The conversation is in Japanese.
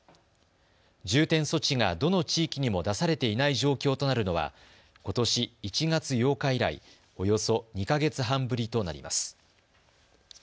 重点措置がどの地域にも出されていない状況となるのはことし１月８日以来、およそ２か月半ぶりとなります。